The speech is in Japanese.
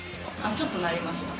ちょっとなりました。